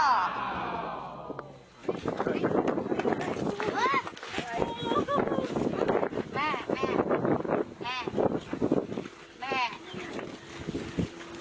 ใหม่มาแล้ว